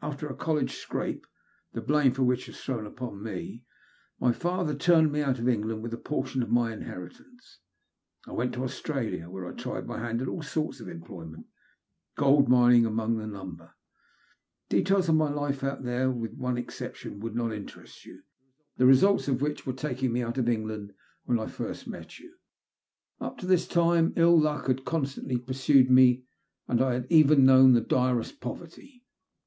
After a college scrape, the blame for which was thrown upon me, my father turned me out of England with a portion of my in heritance. I went to Australia, whore I tried my hand at all sorts of employment, gold mining among the number. Details of my life out there, with one exception, would not interest you ; so I will get on to the great catastrophe, the results of which were taking me out of England when I first met you. Up to this time ill luck had constantly pursued me, and I had even known the direst poverty.